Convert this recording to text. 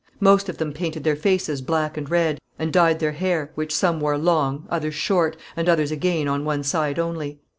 Most of them painted their faces black and red, and dyed their hair, which some wore long, others short, and others again on one side only.